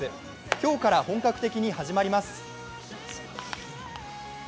今日から本格的に始まります。